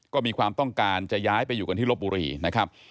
ก็มีความต้องการจะย้ายไปอยู่กันที่ลบบุรีนะครับ